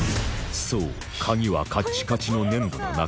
そうカギはカッチカチの粘土の中